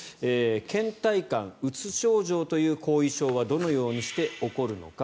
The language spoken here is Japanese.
けん怠感、うつ症状という後遺症はどのようにして起こるのか。